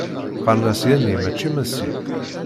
Qqaren-as Yani macci Masi.